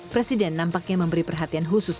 presiden nampaknya memberi perhatian khusus